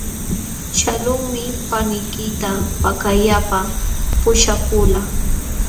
Shaqlunmi paniykita pakallapa puśhakuqlaa.